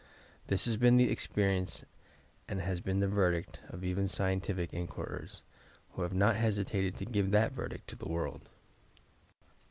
This has been the experience and has been the verdict of even scientific inquirers, who have not hesitated to give that verdict to the world."